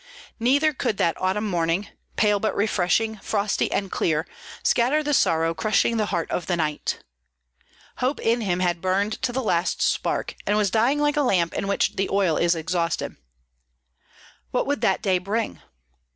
Neither could that autumn morning, pale but refreshing, frosty and clear, scatter the sorrow crushing the heart of the knight. Hope in him had burned to the last spark, and was dying like a lamp in which the oil is exhausted. What would that day bring?